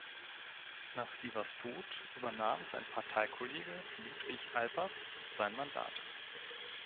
Nach Sievers Tod übernahm sein Parteikollege Ludwig Alpers sein Mandat.